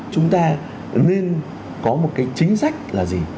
chúng ta nên có một cái chính sách là gì